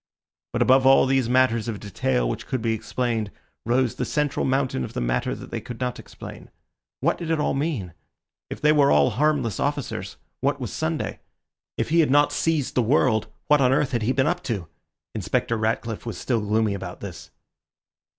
But above all these matters of detail which could be explained, rose the central mountain of the matter that they could not explain. What did it all mean? If they were all harmless officers, what was Sunday? If he had not seized the world, what on earth had he been up to? Inspector Ratcliffe was still gloomy about this.